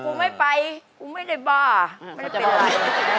กูไม่ไปกูไม่ได้บ้าไม่ได้เป็นไร